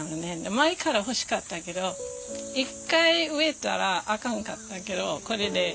前から欲しかったけど一回植えたらあかんかったけどこれで２回目で。